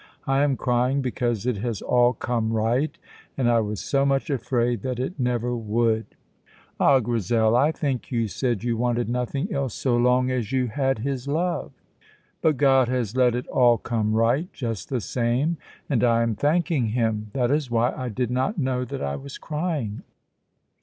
I am crying because it has all come right, and I was so much afraid that it never would." Ah, Grizel, I think you said you wanted nothing else so long as you had his love! "But God has let it all come right, just the same, and I am thanking Him. That is why I did not know that I was crying."